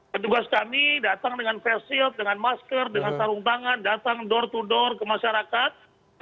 petugas kami datang dengan face shield dengan masker dengan sarung tangan datang door to door ke masyarakat